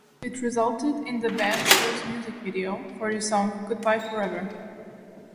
It resulted in the band's first music video, for the song "Goodbye Forever".